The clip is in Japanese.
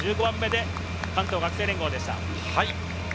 １５番目で関東学生連合でした。